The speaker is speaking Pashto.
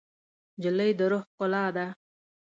نجلۍ د روح ښکلا ده.